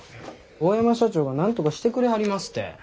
大山社長がなんとかしてくれはりますて。